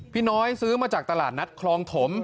พี่น้อยซื้อมาจากตลาดนัดคลองถม